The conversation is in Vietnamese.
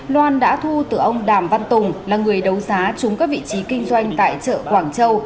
loan đã thu từ ông đàm văn tùng là người đấu giá trúng các vị trí kinh doanh tại chợ quảng châu